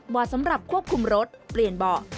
สำหรับควบคุมรถเปลี่ยนเบาะ